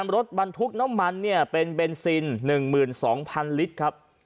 รถบรรทุกน้ำมันเป็นเบนซิน๑๒๐๐๐ลิตรครับ